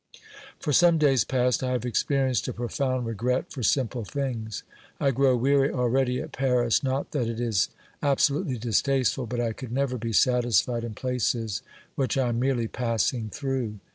For som^Mays past I have experienced a profound regret for simple things. I grow weary already at Paris, not that it is absolutely distasteful, but I could never be satisfied in places which I am merely passing through.